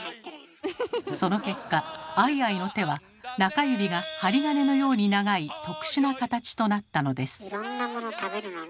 その結果アイアイの手は中指が針金のように長い特殊な形となったのです。